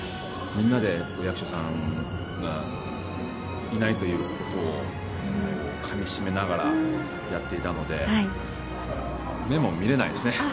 みんなで役所さんがいないということをかみしめながらやっていたので、目も見れないですね。